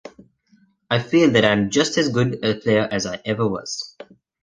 I feel that I am just as good a player as I ever was.